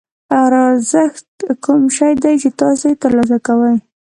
ارزښت کوم شی دی چې تاسو یې ترلاسه کوئ.